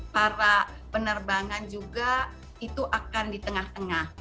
para penerbangan juga itu akan di tengah tengah